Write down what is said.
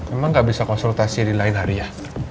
emang gak bisa konsultasi di lain hari ya